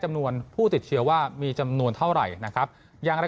จำนวนผู้ติดเชื้อว่ามีจำนวนเท่าไหร่นะครับอย่างไร